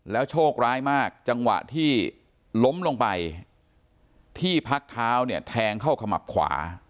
โชคร้ายมากจังหวะที่ล้มลงไปที่พักเท้าเนี่ยแทงเข้าขมับขวา